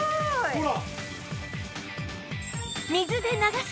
ほら。